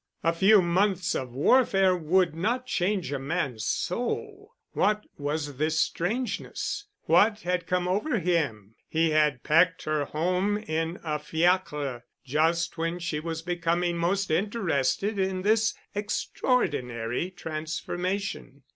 A few months of warfare would not change a man's soul. What was this strangeness? What had come over him? He had packed her home in a fiacre, just when she was becoming most interested in this extraordinary transformation.